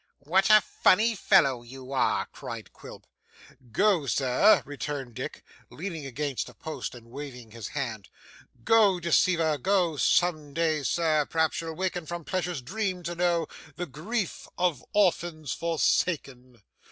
'What a funny fellow you are!' cried Quilp. 'Go, Sir,' returned Dick, leaning against a post and waving his hand. 'Go, deceiver, go, some day, Sir, p'r'aps you'll waken, from pleasure's dream to know, the grief of orphans forsaken.